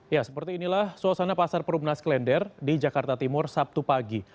ya seperti inilah suasana pasar perumnas klender di jakarta timur sabtu pagi